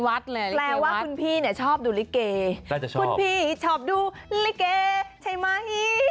แปลว่าคุณพี่เนี่ยชอบดูลิเกย์ทุกคนชอบดูลิเกย์ใช่มั้ย